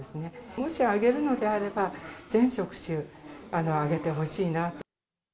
もし上げるのであれば、全職種上げてほしいなと。